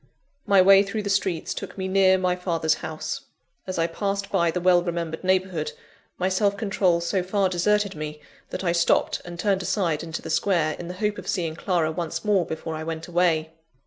My way through the streets took me near my father's house. As I passed by the well remembered neighbourhood, my self control so far deserted me, that I stopped and turned aside into the Square, in the hope of seeing Clara once more before I went away.